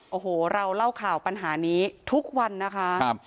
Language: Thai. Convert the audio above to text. โอ้โหเราเล่าข่าวปัญหานี้ทุกวันนะคะครับ